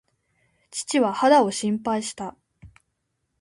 父は肌を心配した。